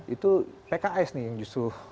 itu pks nih yang justru